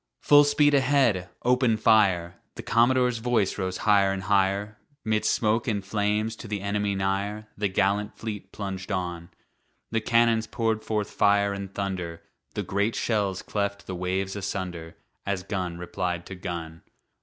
"Full speed ahead! Open fire!" The commodore's voice rose high'r and high'r, 'Midst smoke and flames to the enemy nigh'r, The gallant fleet plunged on. The cannons poured forth fire and thunder, The great shells cleft the waves asunder, As gun replied to gun.